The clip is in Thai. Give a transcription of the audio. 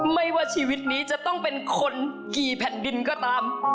ไม่ว่าชีวิตนี้จะต้องเป็นคนกี่แผ่นดินก็ตาม